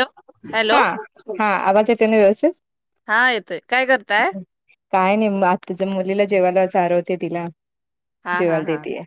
Hello hello हा हा आवाज येत येत ना व्यवस्थित हा येतोय काय करताय? काय नाही? आत्तीच्या मुलीला जेवायला चारवते तिला हा हा जेवायला हा देतेय.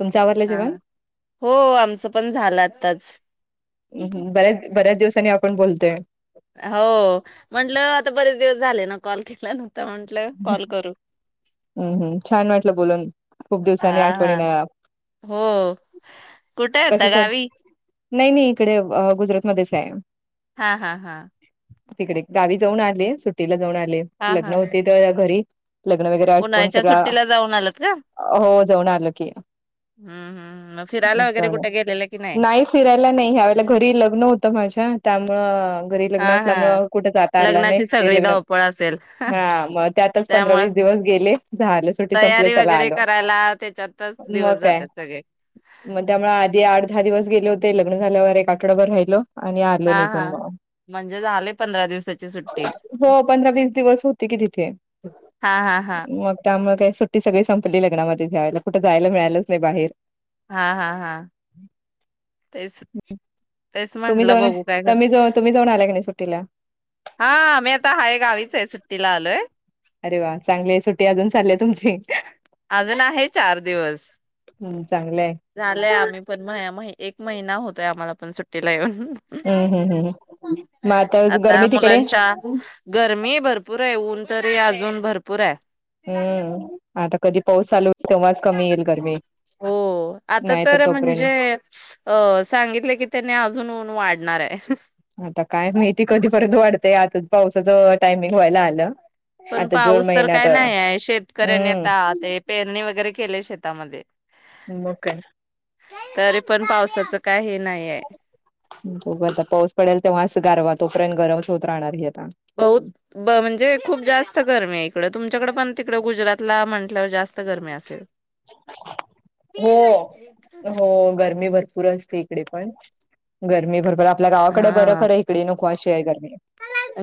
तुमचं आवरलं हा जेवण? हो आमचं पण झालं आत्ताच बऱ्याच बऱ्याच दिवसांनी आपण बोलतोय हो म्हंटलं आता बरेच दिवस झाले ना कॉल केला ना हम्म हम् छान वाटलं बोलून खूप हा दिवसांनी हा आठवणीन हो कुठे कस आहेता स गावी नाही नाही इकडे गुजरातमध्येच आहे हा हा हा तिकडे गावी जाऊन आले सुट्टीला जाऊन आले आले हा लग्न हा हो त्या घरी लग्न वगैरे आटपून उन्हाळ्याच्या सगळ सुट्टीला जाऊन आलात का हो जाऊन आलं की हम्म हम्म मग फिरायला वगैरे जाऊ कुठे गेलेलं की नाही फिरायला नाही यावेळेला घरी लग्न होतं माझ्या त्यामुळं.. घरी हा लग्न हा असल्यामुळे कुठे जाता आला नाही? लग्नाची ते सगळी लग्न धावपळ असेल हा मग त्यातच पंधरा त्यामुळे वीस दिवस गेले झालं सुट्टी संपले तयारी चला वगैरे आलो करायला त्याच्यातच मग दिवस काय जातात सगळे मग त्यामुळे आधी आठ दहा दिवस गेले होते ते लग्न झाल्यावर एक आठडभर राहिलो आणि आलो हा हा निघून मग म्हणजे झाले पंधरा दिवसाची सुट्टी ती की तिथे हा हा हा मग त्यामुळे काही सुट्टी सगळी संपली लग्नामध्ये ह्या वेळेला कुठं जायला मिळालंच नाही बाहेर हा हा हा तेच तेच म्हणलं बघू काय? तिला हा मी आता हाय गावीच आहे सुट्टीला आलोय अरे वा चांगली सुट्टी अजून चालाल्या तुमची अजून आहे चार दिवस हम्म! झालंय आम्ही पण मा माहि एक महिना होतंय आम्हाला पण सुट्टीला येऊन. हम्म हम्म हम्म मग आता गरमी तिकडे मुलांच्या गरमी भरपूर ये ऊन तरी अजून भरपूर आहे. हम्म! आता कधी पाऊस चालू होईल तेव्हाच कमी येईल गरमी. हो आता नाही तर म्हणजे तोपर्यंत अ सांगितलय की त्यांनी अजून ऊन वाढ णार आहे आता काय माहिती कधीपर्यंत वाढतय आता पावसाच टायमिंग व्हायला आलं. पण आता जून पाऊस तर महिन्यात काय नाहीये. शेतकऱ्यांनी हम्म आता ते पेरणी वगैरे केलंय शेतामध्ये मग काय तरी पण पावसात त काय हे नाही आहे खूप आता पाऊस पडेल तेव्हा असं गारवा तोपर्यंत गरमच होत राहणार हे आता. बहुत ब म्हणजे खूप जास्त गर्मी आहे इकडं. तुमच्याकडं पण तिकडं गुजरातला म्ह जास्त गर्मी असेल? हो हो गरमी भरपूर असते इकडे पण गरमी भरभरा हा हा गरमी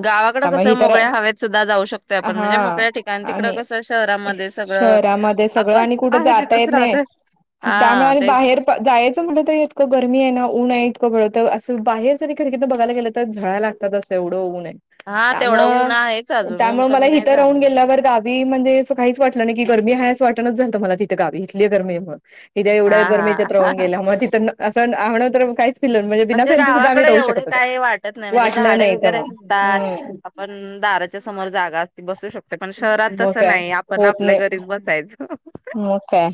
गावाकडं त्यामुळे कसं ही तर मोगळ्या हवेत सुद्धा जाऊ शकतोय आपण, हा म्हणजे मोकळ्या ठिकाण तिकडं कसं शहरामध्ये सगळं त्या मध्ये सगळं आपण आणि कुठं आहे जाता तिथंच येत नाही. राहतोय त्यामुळे हा आणि तेच बाहेर प जायाचं म्हणलं तरी इतकं गरमी आहे ना ऊन ये इतकं तर असं बाहेर जरी खिडकीत न बघायला गेलं तर झळाय लागतात असं एवढं उनये. हा तेवढं ऊन कामं आहेच अजून ऊन कामं मला कमी नाही इथ राहून झालेलं गेल्यावर गा मी म्हणजे सकाळीच वा आणि हि गरमी हाय असं वाटनाच झालतं मला तिथं गावी इथली गरमी ये म्हणून. इथं एवढ्या हा गरमीतत हा राहून गेल्या मग तिथं असं आम्हाला तर काहीच फिल बिना म्हणजे फॅनचं सुद्धा आम्ही गावाकडं राहू एवढं शकत होतो. काय वाटत नाही म्हणजे वाटलं झाडे नाही तर वगैरे मग असतात. हम्म आपण दाराच्या समोर जागा बसू शकतो. पण शहरात मग तसं काय नाही आपण होत आपल्या नाही घरीच बसायचं. मग काय?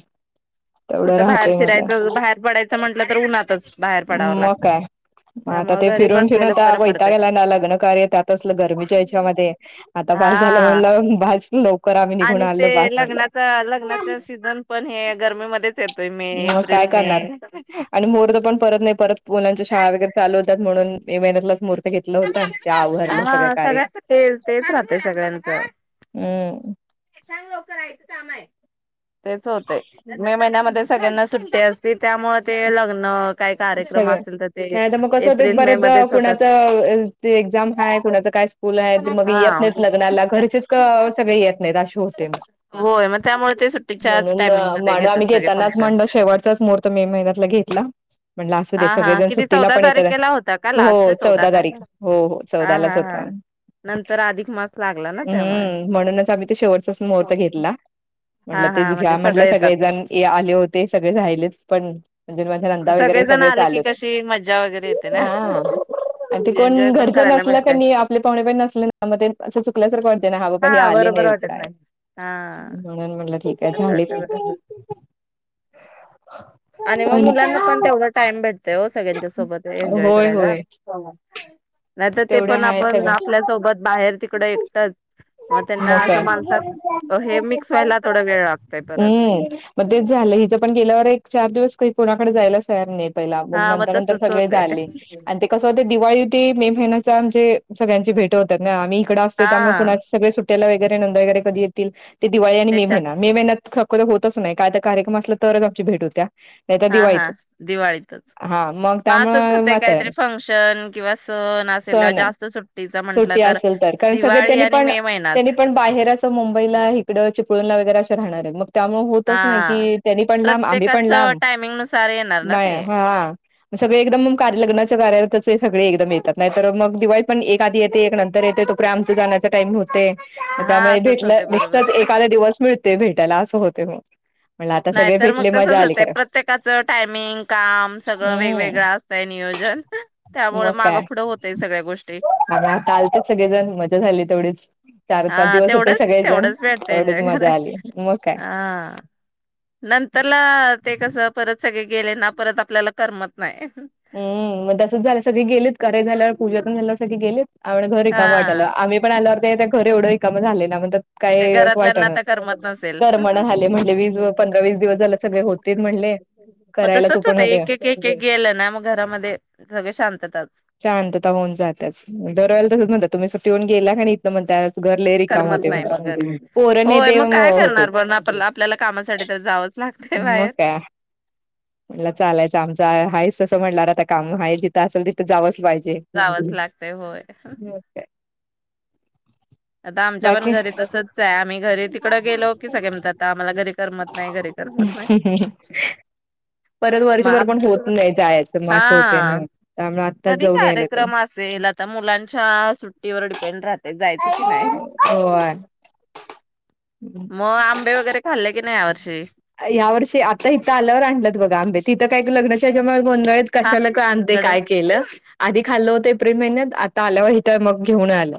तेवढं कुठं बाहेर राहतय म्हटलं फिरायचं, बाहेर पडायचं म्हंटलं तर उन्हातच. बाहेर पडाव मग लागतं. काय? आता त्यामुळे ते घरी फिरून फिरून बसलेलं आता बरं वैताग पडतंच आलाय ना लग्न कार्य त्यातच, असलं गरमीच्या ह्याच्यामध्ये. आता बास झालं हा. म्हणलं बास. हॅलो आणि ते लग्नाचा लग्नाचा सीझन पण हे गरमी मध्येच येत मग काय करणार आणि मुहूर्त पण परत नही परत मुलांच्या शाळा वगैरे चालू म्हणून मे महिन्यातलाच मुहूर हा सगळ्यांच ते तेच राहतय सगळ्यांच हम्म ये सांग लवकर आईच काम आहे. तेच होतेय मे महिन्यामध्येच सगळ्यांना सुट्टी असते त्यामुळे ते लग्न काय कार्यक्रम सगळं असेल तर ते नाही त म कसं होतं एप्रिल मे बर्‍याचदा मध्येच होतात कुणाच एक्झाम हाय कुणाच काय स्कूल हाय ते मग हा येत नाही लग्नाला घरचेच सगळे येत निराश होते मग होय मग त्यामुळे ते सुट्टीच्याच म्हणून टायमिंग मध्ये मांड आम्ही घेतात सगळे घेतानाच फंक्शन म्हणून शेवटचाच महूर्त मे महिन्यातला घेतला. म्हणलं असू हा दे हा सगळेजण किती सुट्टीला चौदा पण येतात. तारीख ला होता का लास्ट हो चौदा तारीख तारखेला हो हो हा चौदालाच हा हा होता. नंतर अधिक मास लागला ना त्यामुळे हम्म म्हणूनच शेवटचाच मुहूर्त घेतला हा म्हणलं तेच हा म्हणजे घ्या म्हंटलं सगळे येतात सगळेजण आले होते सगळे राहिलेच पण म्हणजे माझ्या नंदा वगैरे सगळेजण सगळेच की आले होते कशी मज्जा वगैरे येते ना ते कोण एन्जॉय पण घरच करायला नसल का भेटतय मी आपले पाहणे पण नसले म ते अस चुकल्यासारख वाटत ना हा हे आले बरोबर नाही वाटत काय हा म्हणून म्हटल ठीक आहे तस झाले. वाटत बरं. आणि मग मुलांना पण तेव्ह टाईम भेट ते सगळ्यांच्या सोबत एन्जॉय होय करायला. होय [inaudible] नाही तर ते तेवढ्या पण हाय आपण सगळ्या आपल्यासोबत बाहेर तिकड एकटच मग त्यांना मोठ्या असं माणसात हे मिक्स व्हायला थोडा वेळ लागतोय परत. हम्म मग तेच झालं हिच पण गेल्यावर एक चार दिवस क कोणाकडे जायलाच तयार नाही. ला मग हा नंतर नंतर तसच सगळे होतय झाले आणि ते कसं होते दिवाळी होती मे महिन्याचा म्हणजे सगळ्यांची भेट होतात ना आम्ही असत त्यामुळे हा कुणाच सुट्याेला वगैरे नंद वगर कधी येतील ते दिवाळी आणि मे त्याच्या महिना मे महिन्यात खक्क तर होतच नाही काय तर कार्यक्रम असला तरच आमची भेट होत्या. नाही तर हा हा दिवाळीतच दिवाळीतच हा मग म असच त्यामुळे होते मात्र काहीतरी फंक्शन किंवा सण असेल ते सण जास्त सुट्टीचा म्हंटलं सुट्टी तर असेल कारण सगळे दिवाळी त्यांनी आणि पण मे त्यांनी महिनाच पण बाहेरच मुंबईला इिकडं चिपळूला वगैरे असं राहणार आहे मग त्यामुळे होतच नाही हा. की त्यांनी पण लांब आम्ही पण प्रत्येकाच लांब टायमिंग नुसार येणार ना नाही ते हा सगळे एकदम कार लग्नाच्या कार्या तर ते सगळे एकदम येतात नाही तर मग दिवाळी पण एक आधी येत एक नंतर येते तोेपरे आमच जाण्याचा टाईम होतं ते हा त्यामुळे असंच भेटलं होते बरोबर. निस्तच एखादा दिवस मिळतय भेटायला असं होतंय मग म्हणलं आता सगळे नाहीतर मग भेटले मजा तसच आली होतंय खरं प्रत्येकाचं टायमिंग काम सगळं वेगवेगळं हम्म असतंय नियोजन त्यामुळे मग मागं काय पुढं होतय सगळ्या गोष्टी आम्ही आता आलते सगळेजण मजा झाली तेवढीच चार पाच हा दिवस होते तेवढंच सगळे जण तेवढंच भेटतं एवढच एन्जॉय मजा कराय आली मग काय हा नंतरला ते कस परत स सगळे गेले ना परत आपल्याला करमत नाही. हम्म मग तसच झालं सगळे गेलीत, कार्य झाल्यावर पूजा पण झाल्यावर सगळे गेलीत. आवड घर रिकामं हा वाटालं पण आल्यावरते त्यां घर एवढं रिकाम झाले ना म्हट ते काय अस घरातल्यांना वाटना आता करमत नसेल करमना झाले म्हणले वीस पंधरा वीस दिवस झालं सगळे होते म्हणले मग करायला तू तसच पण होतं होते. एक एक एक एक गेलं ना मग घरामध्ये सगळे शांतताच शांतता होऊन जातीयाच दरवेळेला तसंच म्हणता तुम्ही चफ टेऊन गेला का नई हितनं म्हणत्यात. घर लय रिकामा करमत होतय नाही म्हणत्यात, मग घरी पोरं नई होय ते मग काय त्यामुळे होतेत. करणार पण आपण आपल्याला कामासाठी तर जावंच लागतंय मग बाहेर काय, म्हटलं चालायचं, आमचं हायच. सो म्हटलं आता काम आहे, जिथं असल तिथं जावच जावंच लागतेय होय. आता आमच्या पण बाकी घरी तसच आहे, आम्ही घरी तिकड गेलो की सगळे म्हणतात आम्हाला घरी करमत नाही, घरी करमत नाही. परत म आ वर्षभर पण होत नाही जायचं मग असं होते ना हा त्यामुळे आत्ताच कधी जाऊन यायला ते कार्यक्रम असेल, आता मुलांच्या सुट्टीवर डिपेंड राहतय जायचं. की नाही होय. मग आंबे वगैरे खाल्ले की नाही यावर्षी या वर्षी आता इथं आल्यावर आणलेत. आंबे तिथं काय ग लग्नाच्या ह्याज्यामुळे गोंधळेत हा, कशाला का आणते गड काय केलं. आधी खाल्लं होतं एप्रिल महिन्यात आता आल्यावर इथ मग घेऊन आलं.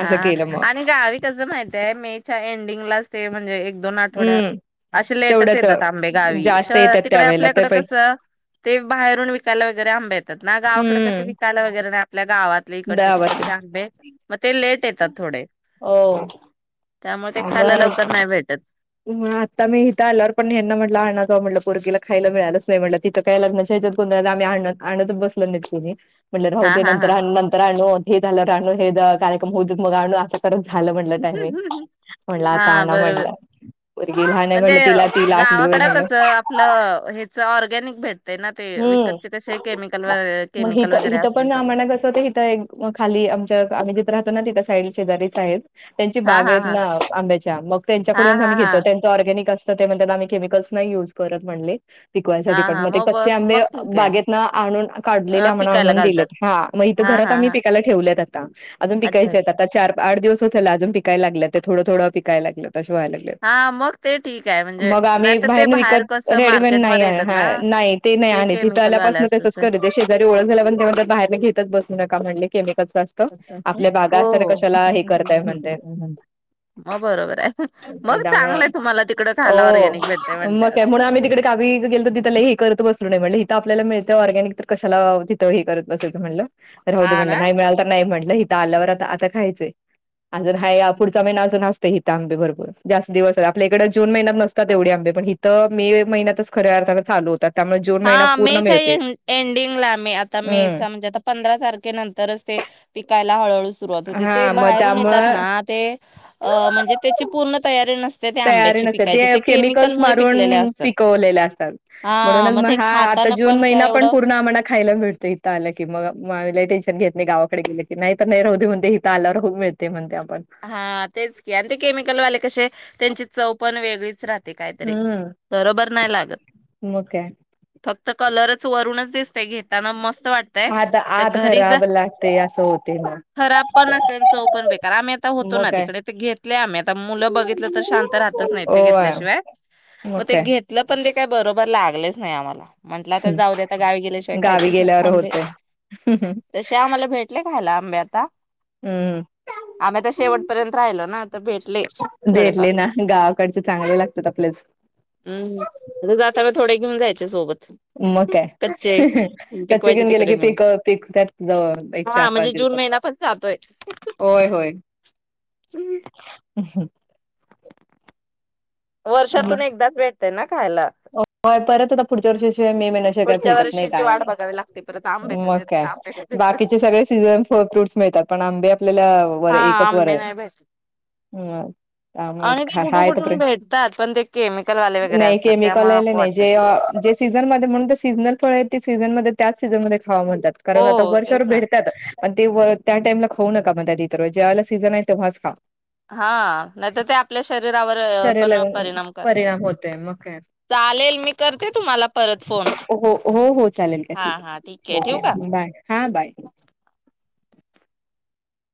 हा असं केलं मग आणि गावी कस माहिती आहे, मेच्या एंडिंगलाच ते म्हणजे एक दोन आठवड्यात हम्म असे लेटच तेवढंच येतात आंबे गावी जास्त शह येतात तिकडे त्यावेेळेला ते आपल्याकड पै कसं ते बाहेरून विकायला वगैरे आंब येतात ना गावाकडे कसं हम्म विकायला वगैरे नाही आपल्या गावात जे इकडचे दहा तिकडचे वाजता आंबेत ते लेट येतात थोडे हो त्यामुळे ते खायला लवकर नाही भेटत. हम्म आता मी इथ आल्यावर पण ह्यांना म्हटलं आणा म्हटलं पोरगीला खायला मिळालंच नाही म्हटलं तिथं काय लग्नाच्या हच्यात गोंधळात कोण आम्ही आण आणतच बसल नाही तुही म्हणल राहु हा दे हा नंतर हा आणू नंतर आणू हे झालं राहण हे कार्यक्रम होत मग आणू अस झालं म्हटलं टायमिंग म्हणलं आता आना म्हणलं म्हणजे होय गावाकड म्हणलं. कस आपलं हे च ऑरगॅनिक भेट हम्म मग केमिकल हिथ वगैरे हिथ असते पण सगळं आम्हाण कसं होतं हिथं खाली आमच्या आम्ही जिथं राहतो ना तिथं साईड शेजारीच आहेत त्यांची हा बाग हा आहेत हा ना आंब्याच्या मग हा त्यांच्याकडूनच हा आम्ही हा घेतो त्यांच ऑर्गॅनिक असत तर ते म्हणतात आम्ही केमिकल्स नाही युज करत म्हणले हा पिकवायसाठी पण हा मग ते कच्चे ब- आंबे मग ठीक आहे बागेत ना आणून काढलेले अ, आमणा पिकायला आणून घालतात दिलेत हा मग इथे हा घरात हा आम्ही हा पिकायला ठेवलेत अजून अच्छा पिकायच्या अच्छा आता चार आठ दिवस हो आजुन पिकाय लागलं ते थडं थोडं पिकाय लागलं हा मग ते ठीक आहे म्हणजे मग नाही आम्ही तर ते बाहेरनं बाहेर विकत कसं रेडीमेड नाही मार्केटमध्ये आण येतात हा ना नाही ते नाही आणित तिथं केमिकल वाल्या आल्यापासून तेसच असतस करत तेे शेजारी ओळख झाल्या पासून ते म्हणतात बाहेरने घेतच बसू नका केमकल च त असत आपल्या बागा हो असताना हो कशाला हे त्यासारखं करताय त्यांना हे म्हणतय करता येणार. मग बरोबर आहे मग चांगलंय तुम्हाला तिकड खायला ओ ऑर्गॅनिक भेटतय मग म्हटल्यावर काय म्हणून आम्ही तिकडे गावी गेलो तिथ लय हिकरत ब म्हटं आपल्याला मिळतं ऑरगॅनिक तर कशाला तथं हे करत बसायचं म्हटलं होऊ दे हा ना म्हटलं नाही मिळाल तर नाही म्हटलं दाल्यावर आता आता खायचंय अजून हा पुढचा महिना अजून असतो हिं आंबे भरोपर जास्त दिवस आपल्याकडे जून महिन्यात नसतात एवढे आंबे पण हिथं मे महिन्यातच खऱ्या अर्थानं चालू होतात त्यामुळे जून महिना हा पूर्ण मेच्या मिळते एंडिंगला मी आता मे हम्म चा म्हणजे आता पंधरा तारखेनंतरच ते पिकायला हळूहळू सुरवात हो ते हा मग बाहेरून येतात त्यामुळं ना ते म्हणजे त्या पूर्ण तयारी न तयारी न ते केमिकल्स मारून पिकलेले असतात पिकवलेले असतात हा मग म्हणून ते हा आता खाताना जून महिना काय पण एवढं पूर्ण आम्हाला खायला भळतो इथं आलं कि मग मा टेन्शन घेत नाही गावाकडे गेले की नाही तर नाही राहते म्हण ते हि आलावर होऊळते म्हण हा तेच की आणि ते केमिकलवाले कसे त्यांची चव पण वेगळीच राहते ते काय तरी ते हम्म बरोबर नाही लागत मग काय फक्त कलर ववरूनच दिसतय घेताना मस्त वाटतय आत आत घरी खराब लागते असं होते मग खब पण चव पण बेकार आम्ही होतों मग काय तिकडे मुलं बघितल्यावर शांत राहत नाही मध्ये घेतल्या होय शिवाय मग मी काय ते काय बरोबर बरोबर लागलेच नाही आम्हाला. म्हंटलं आ तर हम्म जाऊ दे आता गावी गेल्याशिवाय गावी खायचेच नाही गेल्यावर आंबे होतय तसे आम्हाला भेटले खायला. आंबे आता हम्म. आम्ही आता शेवपर्यंत राहिलो ना तर भेटले थोडेफार धरले ना गावाकडचे चांगले लागतात आपल्याच. चे सोबत मग काय कच्चे कच्चे पिकवायचे घेऊन गेले तिकडे की नेऊन पिक पिकतात एक हा चार पाच म्हणजे दिवस जून महिना पण जातोय. होय. होय. ह हं वर्षातून एकदाच भेट त्यांना खायला पुढच्या वर्षी ते मे महिन्या का पुढच्या भेटत नाही वर्षीची काय वाट नाही बघावी लागते परत आंबे कधी मग येतात काय आंबे कधी बाकीचे येतात. सगळे सीझन फळ फ्रूट मिळतात पण आंबे आपल्याला हा एकच वर्ष त्यामुळे आणि ते कुठून हाय तो कुठून पर्यंत. भेटतात पण ते केमिकलवाले वगैरे असतात केमिकल त्यामुळे वाले नको नाही वाटतंय. जे सीजन म म्हणून सीझनल फळ आहे सीझन म त्याच सीझनमध्ये खावा म्हणतात हो कारण आता वर्षभर तेच ना भेटतात पण ते व त्या टाइमला खाऊ नका मधे इतर वेळे जेव्हाला सीझन आहे तेव्हाच खा. हा नाही तर ते आपल्या शरीरावर शरीराला पण परिणाम करते. परिणाम होतोय मग हो चालेल मी तुम्हाला परत फोन हो हो चालेल हा चालेल हा ठीक आहे ठेवू का? ओके बाय हा बाय